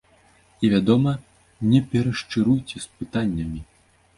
І, вядома, не перашчыруйце з пытаннямі.